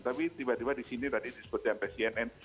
tapi tiba tiba di sini tadi disebutkan oleh cnn